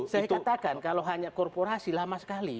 saya katakan kalau hanya korporasi lama sekali